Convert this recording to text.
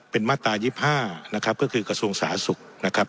เป็นมาตรา๒๕นะครับก็คือกระทรวงสาธารณสุขนะครับ